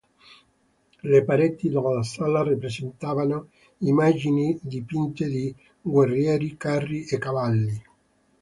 Le pareti della sala presentavano immagini dipinte di guerrieri, carri e cavalli.